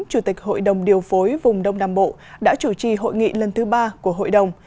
chủ tịch hội đồng điều phối vùng đông nam bộ đã chủ trì hội nghị lần thứ ba của hội đồng